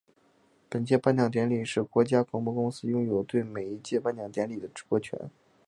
本届颁奖典礼是国家广播公司拥有对每一届颁奖典礼的直播权。